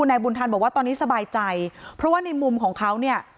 นายบุญธันบอกว่าตอนนี้สบายใจเพราะว่าในมุมของเขาเนี่ย